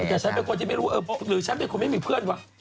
แต่ฉันเป็นคนที่ไม่รู้หรือฉันเป็นคนไม่มีเพื่อนวะ